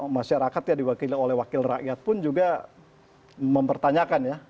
masyarakat yang diwakili oleh wakil rakyat pun juga mempertanyakan ya